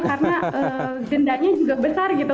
karena dendanya juga besar gitu